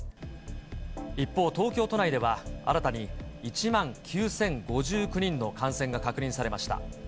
一方、東京都内では、新たに１万９０５９人の感染が確認されました。